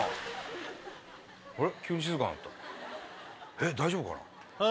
えっ大丈夫かな？